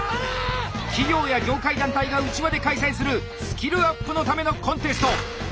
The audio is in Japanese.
企業や業界団体が内輪で開催するスキルアップのためのコンテスト！